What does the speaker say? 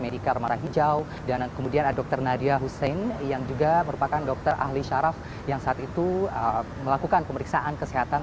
dr nadia merupakan dokter ahli syaraf yang saat itu melakukan pemeriksaan kesehatan